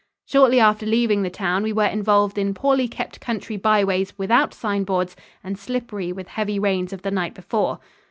Shortly after leaving the town we were involved in poorly kept country byways without sign boards and slippery with heavy rains of the night before.